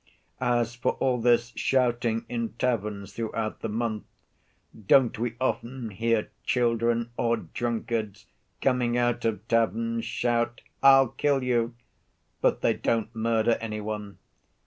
As for all this shouting in taverns throughout the month, don't we often hear children, or drunkards coming out of taverns shout, 'I'll kill you'? but they don't murder any one.